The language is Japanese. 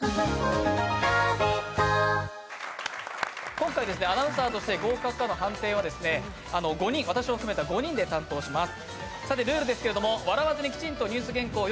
今回アナウンサーとして合格の判定は私を含めた５人で担当します。